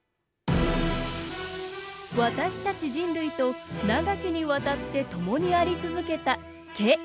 私たち人類と長きにわたってともにあり続けた、毛。